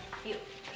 yuk terusin makan